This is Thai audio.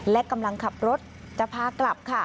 และกำลังขับรถจะพากลับค่ะ